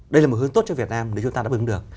đây là một hướng tốt cho việt nam nếu chúng ta đáp ứng được